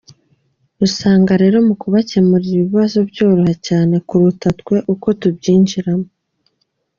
Usanga rero mu kabakemurira ibibazo, byoroha cyane kuruta twe uko tubyinjiramo.